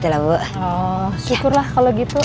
syukurlah kalau gitu